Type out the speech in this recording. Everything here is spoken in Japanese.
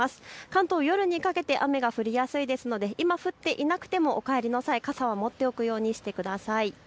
関東、夜にかけて雨が降りやすいですので、今、降っていなくてもお帰りの際、傘を持っておくようにしてください。